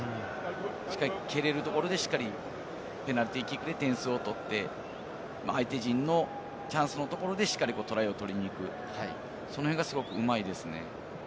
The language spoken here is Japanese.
しっかり蹴れるところでペナルティーキックで点数を取って相手陣のチャンスのところでしっかりトライを取りに行く、その辺がすごくうまいですね。